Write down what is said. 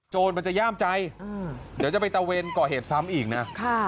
มันจะย่ามใจเดี๋ยวจะไปตะเวนก่อเหตุซ้ำอีกนะ